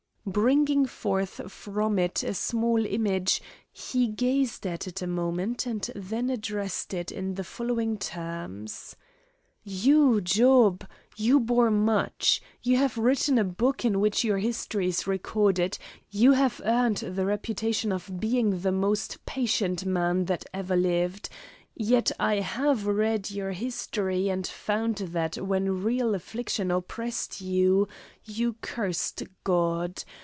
Bringing forth from it a small image, he gazed at it a moment and then addressed it in the following terms: "You, Job! you bore much; you have written a book in which your history is recorded; you have earned the reputation of being the most patient man that ever lived; yet I have read your history and found that when real affliction oppressed you, you cursed God.